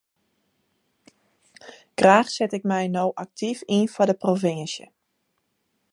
Graach set ik my no aktyf yn foar de provinsje.